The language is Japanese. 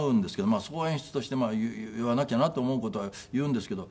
まあそこは演出として言わなきゃなと思う事は言うんですけど。